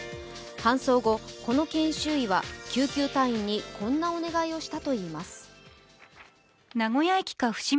搬送後、この研修医は救急隊員にこんなお願いをしたといいます。